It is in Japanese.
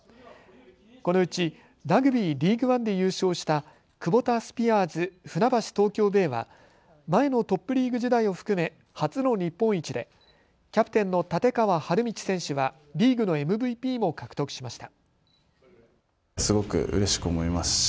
このうちラグビー、リーグワンで優勝したクボタスピアーズ船橋・東京ベイは前のトップリーグ時代を含め初の日本一でキャプテンの立川理道選手はリーグのＭＶＰも獲得しました。